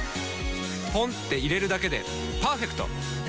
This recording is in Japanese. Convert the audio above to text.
ポンって入れるだけでパーフェクト！